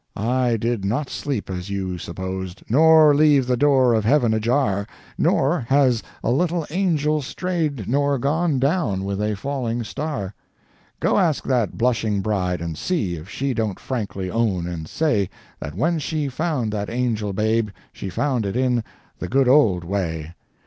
I did not sleep as you supposed, Nor leave the door of Heaven ajar, Nor has a little angel strayed Nor gone down with a falling star. Go ask that blushing bride and see If she don't frankly own and say, That when she found that angel babe, She found it in the good old way.